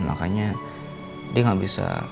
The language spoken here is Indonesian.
makanya dia gak bisa